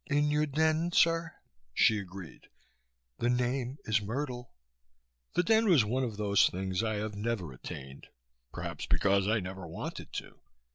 "In your den, sir," she agreed. "The name is Myrtle." The den was one of those things I have never attained, perhaps because I never wanted to.